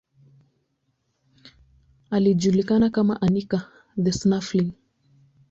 Alijulikana kama Anica the Snuffling.